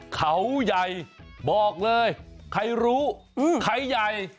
เขาใหญ่บอกเลยใครรู้ใครใหญ่